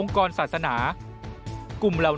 ๕เงินจากการรับบุคคลหรือนิติบุคคล